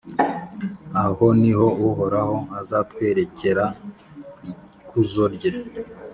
Aho ni ho Uhoraho azatwerekera ikuzo rye,